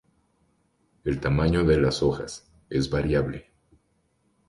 El tamaño de las hojas es variable.